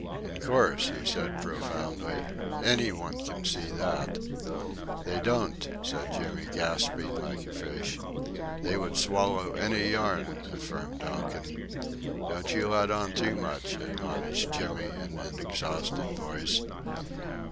"In course," he said, profoundly, "any one can see that." "They don't," said Jimmy, gasping like a fish. "They would swallow any yarn," affirmed Donkin. "Don't you let on too much," admonished Jimmy in an exhausted voice.